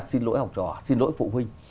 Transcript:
xin lỗi học trò xin lỗi phụ huynh